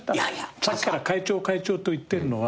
さっきから「会長会長」と言ってるのは。